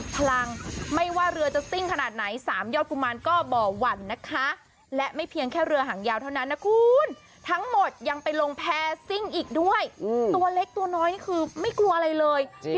ตัวเล็กตัวน้อยคือไม่กลัวอะไรเลยเพี้ยวสุดนะคะเดี๋ยวไปดูคลิปกันหน่อยค่ะ